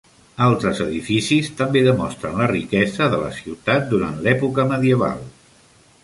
Altres edificis també demostren la riquesa de la ciutat durant l'època medieval.